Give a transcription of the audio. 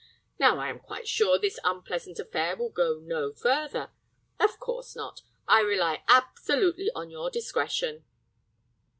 Now, I am quite sure this unpleasant affair will go no further. Of course not. I rely absolutely on your discretion."